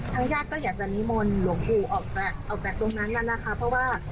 ทางญาติก็อยากจะนิมนต์หลวงปู่ออกแอบตรงนั้นเพราะว่า